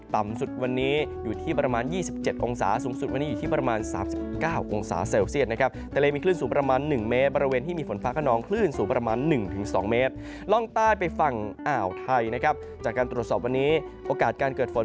ต่ำสุดวันนี้อยู่ที่ประมาณ๒๗องศาเซียต